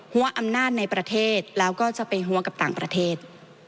หัวหน้าอำนาจในประเทศแล้วก็จะไปหัวกับต่างประเทศ